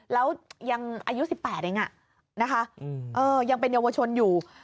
แล้วยังอายุ๑๘เองนะคะยังเป็นเยาวชนอยู่